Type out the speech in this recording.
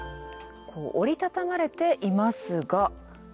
こう折りたたまれていますが。